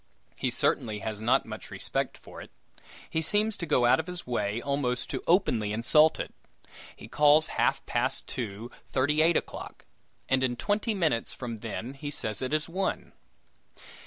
He certainly has not much respect for it. He seems to go out of his way almost to openly insult it. He calls half past two thirty eight o'clock, and in twenty minutes from then he says it is one!